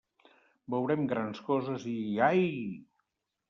Veurem grans coses, i... ai!